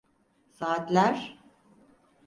Saatler…